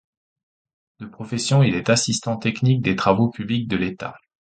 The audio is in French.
De profession, il est assistant technique des travaux publics de l'État.